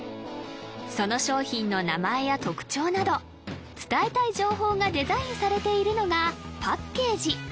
その商品の名前や特徴など伝えたい情報がデザインされているのがパッケージ